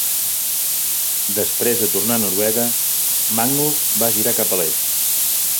Després de tornar a Noruega, Magnus va girar cap a l'est.